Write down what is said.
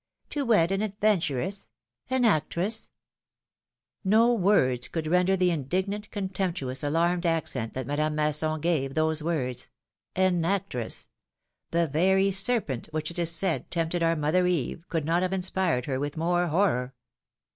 To wed an adventuress? An actress ?^^ No words could render the indignant, contemptuous, alarmed accent that Madame Masson gave tliose words : ^^an actress The very serpent, which it is said tempted our mother Eve, could not have inspired her with more horror.